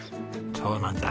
そうなんだ。